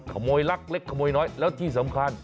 ลักเล็กขโมยน้อยแล้วที่สำคัญ